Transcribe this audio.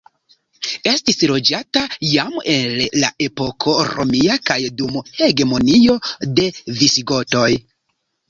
Estis loĝata jam el la epoko romia kaj dum hegemonio de visigotoj.